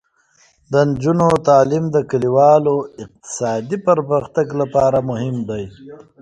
د نجونو تعلیم د کلیوالو اقتصادي پرمختګ لپاره مهم دی.